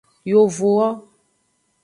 Yovowo.